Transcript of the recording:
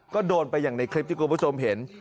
ก็โดนไปอย่างในคลิปที่คุณผู้ชมเห็น